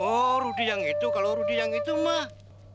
oh rudy yang itu kalau rudy yang itu mah